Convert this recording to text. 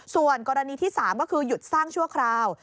ส่วนกรณีที่๓ก็คือหยุดสร้างชั่วคราว